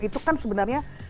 itu kan sebenarnya